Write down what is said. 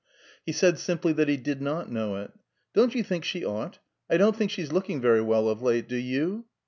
He said simply that he did not know it. "Don't you think she ought? I don't think she's looking very well, of late; do you?"